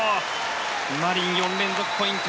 マリン、４連続ポイント。